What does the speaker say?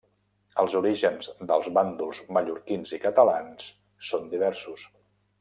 Els orígens dels bàndols mallorquins i catalans són diversos.